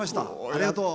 ありがとう。